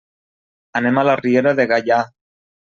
Anem a la Riera de Gaià.